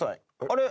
あれ？